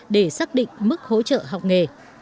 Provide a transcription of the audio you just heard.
để xác định mức hỗ trợ học nghề